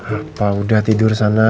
apa udah tidur sana